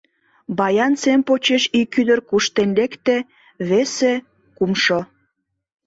Баян сем почеш ик ӱдыр куштен лекте, весе, кумшо...